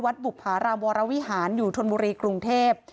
วัดบุพรรามวรวิหารอยู่ทวนบุรีกรุงเทพฯ